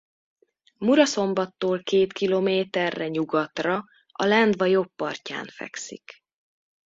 Muraszombattól két kilométerre nyugatra a Lendva jobb partján fekszik.